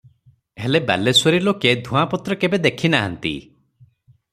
ହେଲେ ବାଲେଶ୍ୱରୀ ଲୋକେ ଧୂଆଁପତ୍ର କେବେ ଦେଖି ନାହାନ୍ତି ।